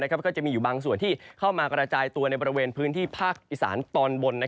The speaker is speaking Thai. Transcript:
ก็จะมีอยู่บางส่วนที่เข้ามากระจายตัวในบริเวณพื้นที่ภาคอีสานตอนบน